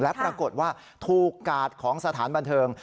และปรากฏว่าถูกกาดของสถานบันเทิง